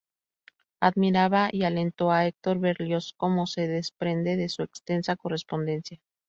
Admiraba y alentó a Hector Berlioz, como se desprende de su extensa correspondencia.